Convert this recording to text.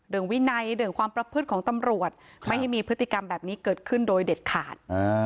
วินัยเรื่องความประพฤติของตำรวจไม่ให้มีพฤติกรรมแบบนี้เกิดขึ้นโดยเด็ดขาด